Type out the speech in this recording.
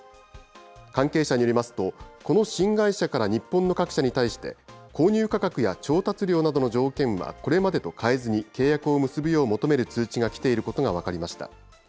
関係者によりますと、この新会社から日本の各社に対して、購入価格や調達量などの条件はこれまでと変えずに、契約を結ぶよう求める通知が来ていることが分かりました。